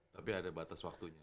tapi ada batas waktunya